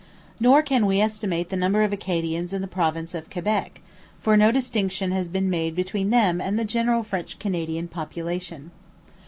Nor can we estimate the number of Acadians in the province of Quebec, for no distinction has been made between them and the general French Canadian population.